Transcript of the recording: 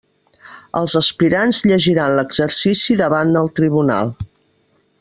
Els aspirants llegiran l'exercici davant el tribunal.